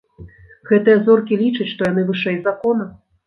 Гэтыя зоркі лічаць, што яны вышэй закона.